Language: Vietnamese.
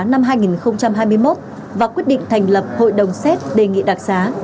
năm hai nghìn hai mươi một và quyết định thành lập hội đồng xét đề nghị đặc xá